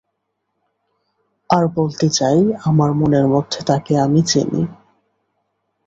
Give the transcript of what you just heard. আর বলতে চাই, আমার মনের মধ্যে তাঁকে আমি চিনি।